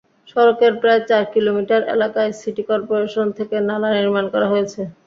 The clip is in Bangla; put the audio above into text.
সড়কের প্রায় চার কিলোমিটার এলাকায় সিটি করপোরেশন থেকে নালা নির্মাণ করা হয়েছে।